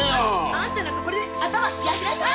あんたなんかこれで頭冷やしなさい！